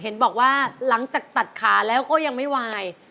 เห็นบอกว่าหลังจากตัดขาแล้วก็ยังไม่วาย